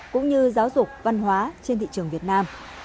cũng như giáo dục văn hóa trên thị trường việt nam